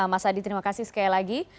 mas adi terima kasih sekali lagi